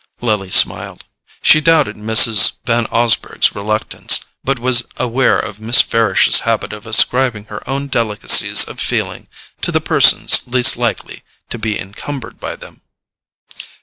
Lily smiled. She doubted Mrs. Van Osburgh's reluctance, but was aware of Miss Farish's habit of ascribing her own delicacies of feeling to the persons least likely to be encumbered by them.